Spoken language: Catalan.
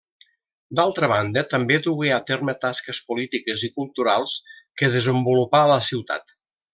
D'altra banda també dugué a terme tasques polítiques i culturals que desenvolupà a la ciutat.